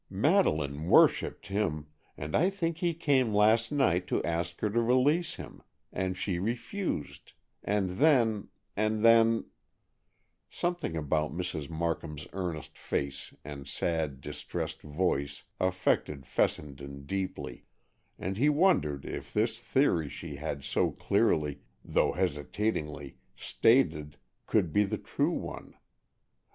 Madeleine worshipped him, and I think he came last night to ask her to release him, and she refused, and then—and then——" Something about Mrs. Markham's earnest face and sad, distressed voice affected Fessenden deeply, and he wondered if this theory she had so clearly, though hesitatingly, stated, could be the true one.